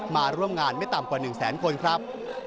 มาร่วมงานไม่ต่ำกว่า๑แสนคนครับ